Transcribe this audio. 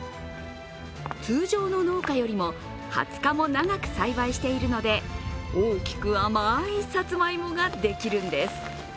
通常の農家よりも、２０日も長く栽培しているので、大きく甘いさつまいもができるんです。